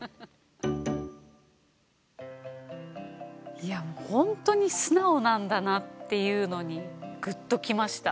いやもう本当に素直なんだなっていうのにぐっときました。